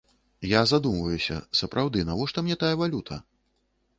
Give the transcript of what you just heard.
Я задумваюся, сапраўды, навошта мне тая валюта?